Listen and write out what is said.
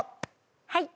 はい。